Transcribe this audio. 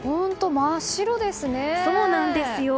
真っ白ですね。